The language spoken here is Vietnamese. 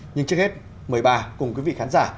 nhưng trước hết mời bà cùng quý vị khán giả